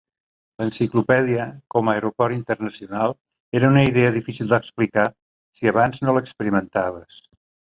L'enciclopèdia com a aeroport internacional era una idea difícil d'explicar, si abans no l'experimentaves.